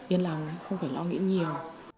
yên lòng ấy không phải lo nghĩ nhiều